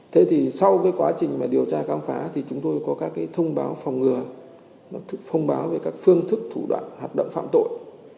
thế thì sau cái quá trình mà điều tra cam phá thì chúng tôi có các cái thông báo phòng ngừa nó thông báo về các phương thức thủ đoạn hạt động phạm tội